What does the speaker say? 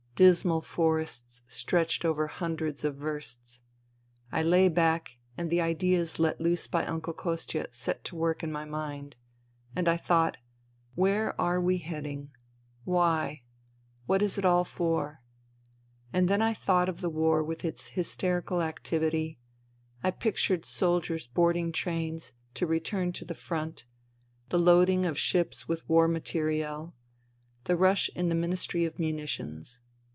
Dismal forests stretched over hundreds of versts. I lay back and the ideas let loose by Uncle Kostia set to work in my mind. And I thought : Where are we heading ? Why ? What is it all for ? And then I thought of the war with its hysterical activity ; I pictured soldiers boarding trains, to return to the front ; the loading of ships with war materiel ; the rush in the Ministry of Munitions.